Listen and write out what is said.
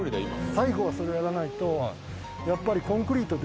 最後はそれやらないとやっぱり。